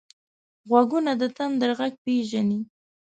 غوږونه د تندر غږ پېژني